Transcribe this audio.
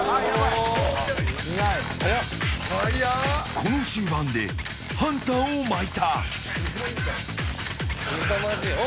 この終盤でハンターをまいた。